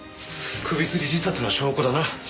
首つり自殺の証拠だな。